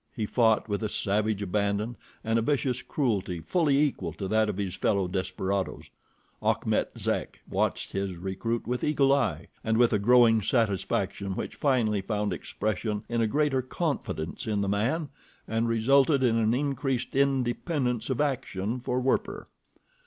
He fought with a savage abandon, and a vicious cruelty fully equal to that of his fellow desperadoes. Achmet Zek watched his recruit with eagle eye, and with a growing satisfaction which finally found expression in a greater confidence in the man, and resulted in an increased independence of action for Werper.